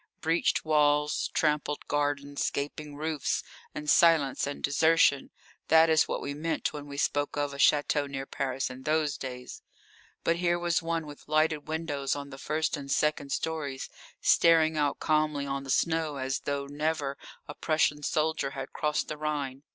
Breached walls, trampled gardens, gaping roofs, and silence and desertion that is what we meant when we spoke of a château near Paris in those days. But here was one with lighted windows on the first and second stories staring out calmly on the snow as though never a Prussian soldier had crossed the Rhine.